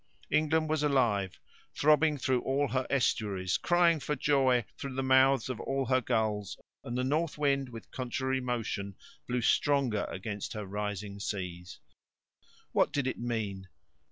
England was alive, throbbing through all her estuaries, crying for joy through the mouths of all her gulls, and the north wind, with contrary motion, blew stronger against her rising seas. What did it mean?